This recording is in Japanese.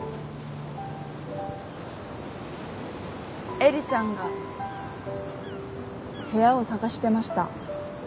映里ちゃんが部屋を探してました。